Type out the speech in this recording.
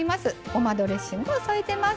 ごまドレッシングを添えてます。